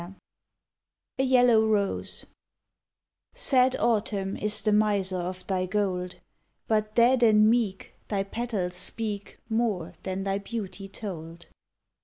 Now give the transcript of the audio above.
57 A YELLOW ROSE Sad Autumn is the miser of thy gold; But dead and meek Thy petals speak More than thy beauty told.